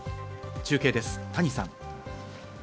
中継です、谷さん。